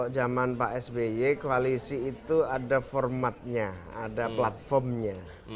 sampai sby koalisi itu ada formatnya ada platformnya